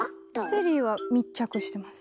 ゼリーは密着してます。